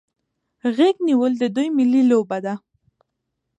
غیږ نیول د دوی ملي لوبه ده.